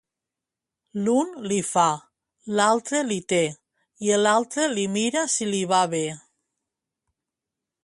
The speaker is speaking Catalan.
L'un l'hi fa, l'altre l'hi té, i l'altre li mira si li va bé.